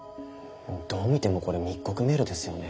どう見てもこれ密告メールですよね。